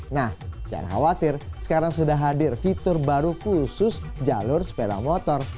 nah jangan khawatir sekarang sudah hadir fitur baru khusus jalur sepeda motor